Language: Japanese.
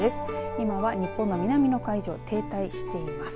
今は日本の南の海上停滞しています。